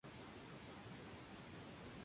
Estos cationes, vg.